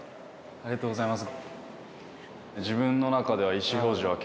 ありがとうございます。